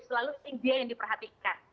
selalu dia yang diperhatikan